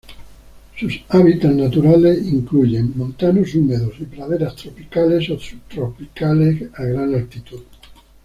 Sus hábitats naturales incluyen montanos húmedos y praderas tropicales o subtropicales a gran altitud.